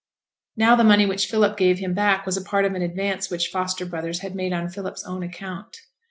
Now the money which Philip gave him back was part of an advance which Foster Brothers had made on Philip's own account.